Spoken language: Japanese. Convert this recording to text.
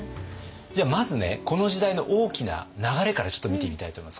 じゃあまずねこの時代の大きな流れからちょっと見てみたいと思います。